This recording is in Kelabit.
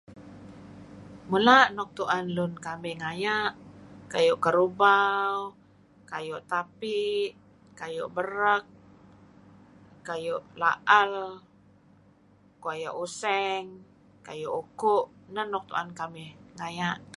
Mula' nuk tu'en lun kamih ngaya', kayu' kerubau, kayu' tapi', kayu' berek, kayu' la'al, kuayu useng kayu' uku', neh nuk tu'en kamih ngaya'.